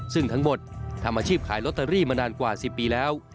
ซึ่งทั้งหมดทำอาชีพขายลอตเตอรี่มานานกว่า๑๐ปีแล้ว